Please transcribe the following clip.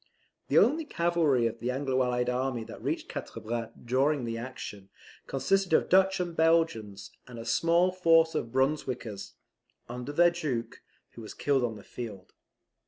The only cavalry of the anglo allied army that reached Quatre Bras during the action, consisted of Dutch and Belgians, and a small force of Brunswickers, under their Duke, who was killed on the field.